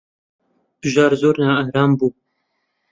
بژار زۆر نائارام بوو.